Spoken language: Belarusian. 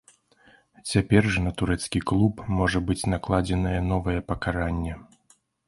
Цяпер жа на турэцкі клуб можа быць накладзенае новае пакаранне.